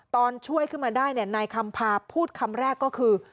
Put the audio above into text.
ตอนช่วยขึ้นมาได้นายคำพาพูดคำแรกก็คือ